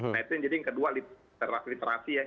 nah itu yang jadi yang kedua literasi ya